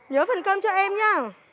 nhớ phần cơm cho em nha